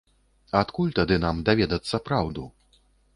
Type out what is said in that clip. Адкуль тады нам даведацца праўду?